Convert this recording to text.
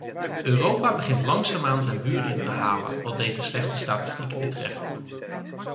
Europa begint langzaamaan zijn buren in te halen wat deze slechte statistieken betreft.